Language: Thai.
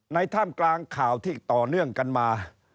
ท่ามกลางข่าวที่ต่อเนื่องกันมา